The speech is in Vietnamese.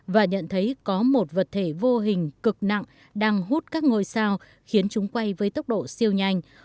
và nhận thấy có một vật thể vô hình cực nặng đang hút các ngôi sao khiến chúng quay với tốc độ siêu nhanh